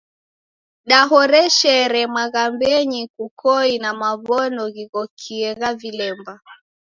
Dahoreshere maghambenyi kukoi na maw'ono ghighokie gha vilemba.